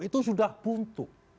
itu sudah buntu